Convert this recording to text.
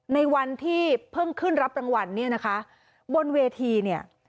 ในวันที่เพิ่งขึ้นรับรางวัลเนี่ยนะคะบนเวทีเนี่ย